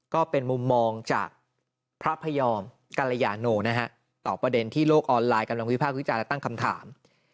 ก็เป็นมุมมองจากพระพยอมกัลยาโนนะฮะต่อประเด็นที่โลกออนไลน์กำลังวิภาควิจารณ์และตั้งคำถาม